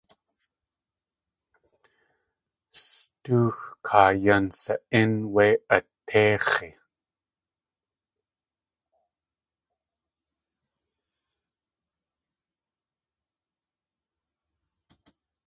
Stoox káa yan sa.ín wé at téix̲i!